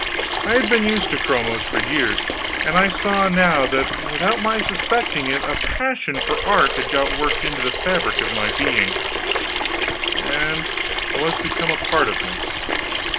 I had been used to chromos for years, and I saw now that without my suspecting it a passion for art had got worked into the fabric of my being, and was become a part of me.